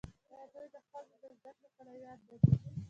آیا دوی د ښځو د زده کړې پلویان نه دي؟